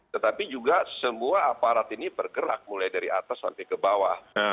tetapi juga semua aparat ini bergerak mulai dari atas sampai ke bawah